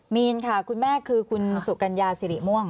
มีนค่ะคุณแม่คือคุณสุกัญญาสิริม่วง